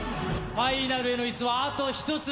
ファイナルへの椅子はあと１つ！